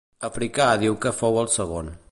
Africà diu que fou el segon.